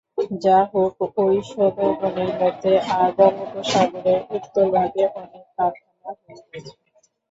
যা হোক ঐ সোঁদরবনের মধ্যে আর বঙ্গোপসাগরের উত্তরভাগে অনেক কারখানা হয়ে গেছে।